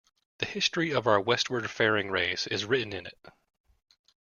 The history of our westward-faring race is written in it.